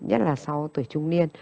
nhất là sau tuổi trung niên